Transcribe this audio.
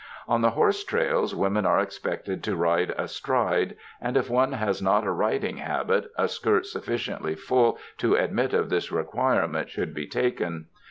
On the horse trails women are expected to ride astride, and if one has not a riding habit, a skirt sufficiently full to admit of this requirement should be taken.